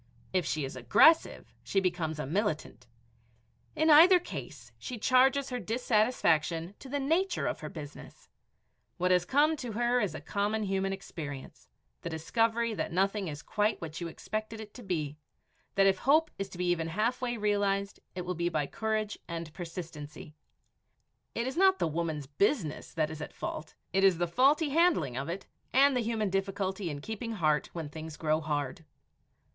If she is aggressive, she becomes a militant. In either case, she charges her dissatisfaction to the nature of her business. What has come to her is a common human experience, the discovery that nothing is quite what you expected it to be, that if hope is to be even halfway realized, it will be by courage and persistency. It is not the woman's business that is at fault; it is the faulty handling of it and the human difficulty in keeping heart when things grow hard.